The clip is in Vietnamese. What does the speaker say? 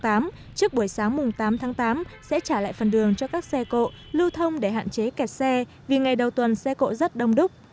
trước buổi sáng tám tháng tám sẽ trả lại phần đường cho các xe cộ lưu thông để hạn chế kẹt xe vì ngày đầu tuần xe cộ rất đông đúc